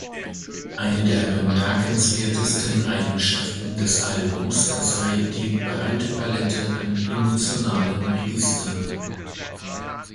Eine der bemerkenswertesten Eigenschaften des Albums sei die breite Palette an emotionalen Registern.